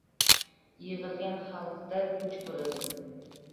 yig‘ilgan xalqda kuch bo‘ladi.